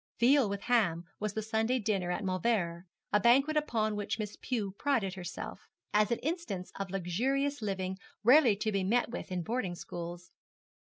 Veal with ham was the Sunday dinner at Mauleverer, a banquet upon which Miss Pew prided herself, as an instance of luxurious living rarely to be met with in boarding schools.